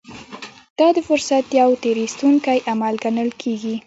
دا د فرصت يو تېر ايستونکی عمل ګڼل کېږي.